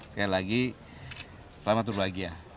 sekali lagi selamat berbahagia